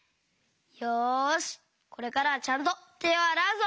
よしこれからはちゃんとてをあらうぞ！